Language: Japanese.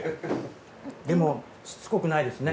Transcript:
でもしつこくないですね。